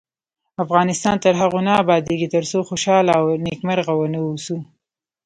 افغانستان تر هغو نه ابادیږي، ترڅو خوشحاله او نیکمرغه ونه اوسو.